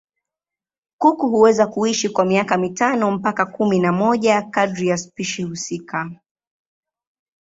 Kuku huweza kuishi kwa miaka mitano mpaka kumi na moja kadiri ya spishi husika.